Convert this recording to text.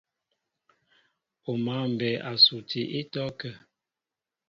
O mǎ mbɛɛ a suti ítɔ́kə́ə́.